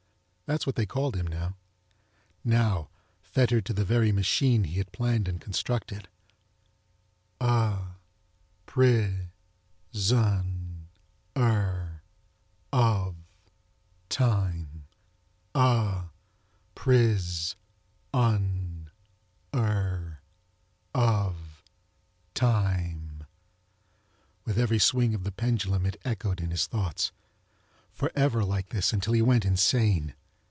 That's what they called him now! Now, fettered to the very machine he had planned and constructed. A pri on er of time! A pris on er of Time! With every swing of the pendulum it echoed in his thoughts. For ever like this until he went insane.